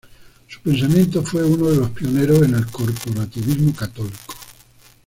Su pensamiento fue uno de los pioneros en el corporativismo católico.